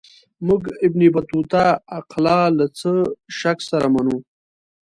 موږ ابن بطوطه اقلا له څه شک سره منو.